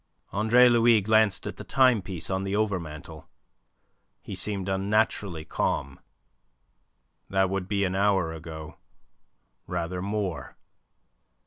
Andre Louis glanced at the timepiece on the overmantel. He seemed unnaturally calm. "That would be an hour ago rather more.